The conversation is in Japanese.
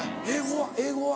英語は？